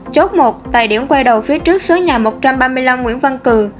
chốt một tại điểm quay đầu phía trước số nhà một trăm ba mươi năm nguyễn văn cường